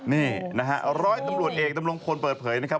นี่นะฮะร้อยตำรวจเอกดำรงพลเปิดเผยนะครับ